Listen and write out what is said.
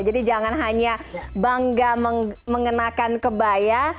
jangan hanya bangga mengenakan kebaya